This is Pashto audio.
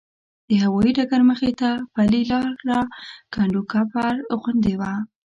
د هوایي ډګر مخې ته پلې لاره کنډوکپر غوندې وه.